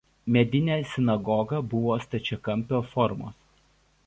Medinė sinagoga buvo stačiakampio formos.